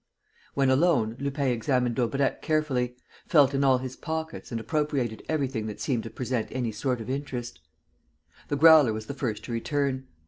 When alone, Lupin examined Daubrecq carefully, felt in all his pockets and appropriated everything that seemed to present any sort of interest. The Growler was the first to return.